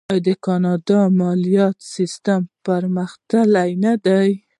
آیا د کاناډا مالیاتي سیستم پرمختللی نه دی؟